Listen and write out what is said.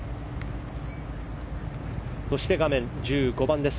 そして画面は１５番です。